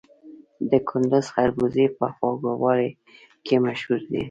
د کندز خربوزې په خوږوالي کې مشهورې دي.